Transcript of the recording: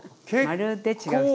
まるで違う。